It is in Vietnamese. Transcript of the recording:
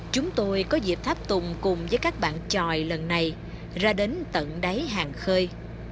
chúng tôi có dịp tháp tùng cùng với các bạn tròi lần này ra đến tận đáy hàng khơi